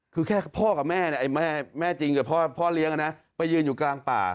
คือแค่พ่อกับแม่เนี่ยแม่จริงกับพ่อเลี้ยงไปยืนอยู่กลางป่า